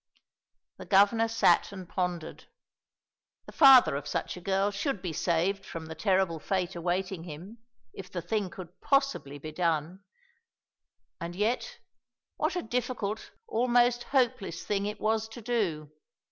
The Governor sat and pondered. The father of such a girl should be saved from the terrible fate awaiting him, if the thing could possibly be done. And yet, what a difficult, almost hopeless thing it was to do.